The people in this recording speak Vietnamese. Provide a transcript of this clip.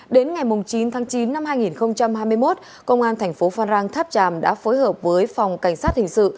đến ngày chín tháng chín năm hai nghìn hai mươi một công an thành phố phan rang tháp tràm đã phối hợp với phòng cảnh sát hình sự